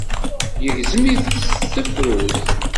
Yegzem-it s tefrut.